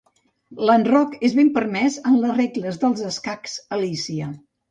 L'enroc és ben permès en les regles dels Escacs Alícia.